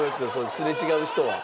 すれ違う人は。